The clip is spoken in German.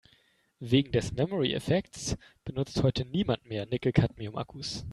Wegen des Memory-Effekts benutzt heute niemand mehr Nickel-Cadmium-Akkus.